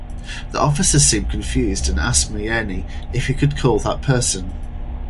The officer seemed confused and asked Myeni if he could call that person.